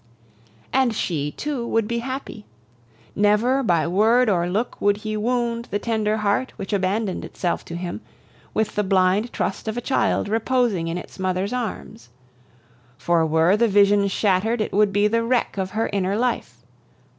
"And she, too, would be happy. Never, by word or look, would he wound the tender heart which abandoned itself to him, with the blind trust of a child reposing in its mother's arms. For were the vision shattered, it would be the wreck of her inner life.